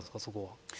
そこは。